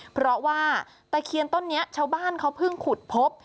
เพราะว่าตะเคียนต้นนี้ชาวบ้านเขาเพิ่งขุดพบ